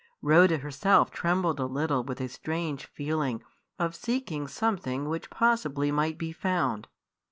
Rhoda herself trembled a little with a strange feeling of seeking something which possibly might be found.